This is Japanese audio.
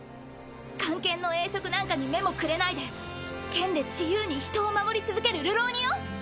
官憲の栄職なんかに目もくれないで剣で自由に人を守り続ける流浪人よ！